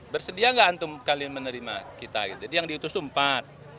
bersedia nggak antum kalian menerima kita jadi yang diutus itu empat